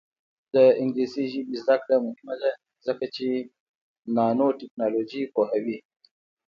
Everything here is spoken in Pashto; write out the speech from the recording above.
د انګلیسي ژبې زده کړه مهمه ده ځکه چې نانوټیکنالوژي پوهوي.